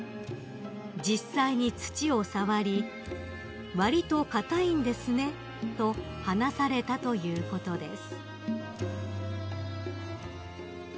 ［実際に土を触り「わりと硬いんですね」と話されたということです］